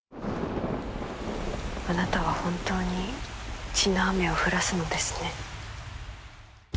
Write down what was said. あなたは本当に血の雨を降らすのですね。